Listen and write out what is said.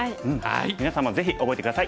みなさんもぜひ覚えて下さい。